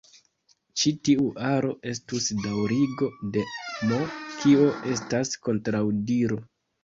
Ĉi tiu aro estus daŭrigo de "M", kio estas kontraŭdiro.